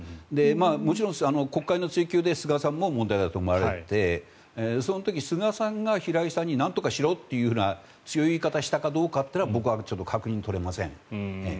もちろん国会の追及で菅さんも問題だと思われてその時、菅さんが平井さんになんとかしろというような強い言い方をしたかどうかは僕はちょっと確認取れません。